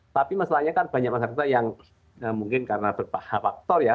tapi masalahnya kan banyak masyarakat yang mungkin karena berfaktor ya